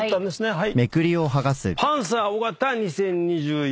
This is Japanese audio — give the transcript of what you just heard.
はい。